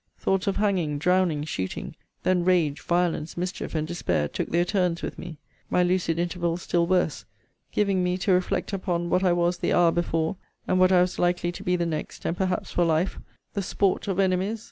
Thoughts of hanging, drowning, shooting then rage, violence, mischief, and despair, took their turns with me. My lucid intervals still worse, giving me to reflect upon what I was the hour before, and what I was likely to be the next, and perhaps for life the sport of enemies!